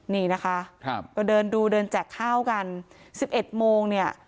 นี่นะคะก็เดินดูเดินแจกข้ากันสิบเอ็ดโมงเนี่ย